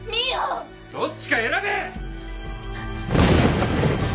どっちか選べ！